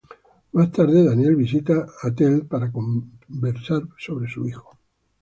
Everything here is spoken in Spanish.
Más tarde, Daniel visita a Teal'c para conversar sobre su hijo.